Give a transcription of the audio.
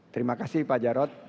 terima kasih pak jarod